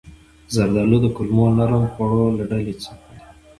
زردالو د کولمو نرم خوړو له ډلې ده.